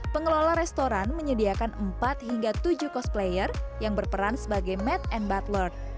pengelola restoran menyediakan empat hingga tujuh cosplayer yang berperan sebagai made and butler